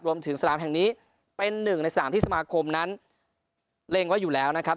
รวมถึงสนามแห่งนี้เป็นหนึ่งในสนามที่สมาคมนั้นเล็งไว้อยู่แล้วนะครับ